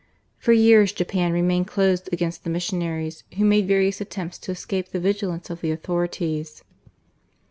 For years Japan remained closed against the missionaries who made various attempts to escape the vigilance of the authorities.